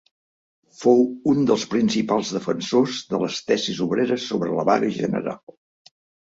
Fou un dels principals defensors de les tesis obreres sobre la vaga general.